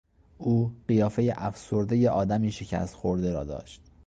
او قیافه افسردهی آدمی شکست خورده را داشت.